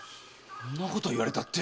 そんなこと言われたって！